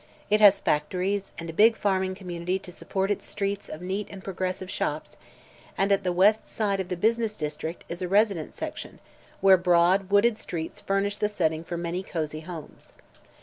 It has factories and a big farming community to support its streets of neat and progressive shops, and at the west side of the business district is a residence section where broad, wooded streets furnish the setting for many cozy homes.